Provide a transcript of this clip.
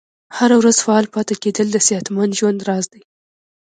هره ورځ فعال پاتې کیدل د صحتمند ژوند راز دی.